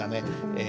え